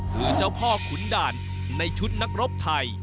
คือเจ้าพ่อขุนด่านในชุดนักรบไทย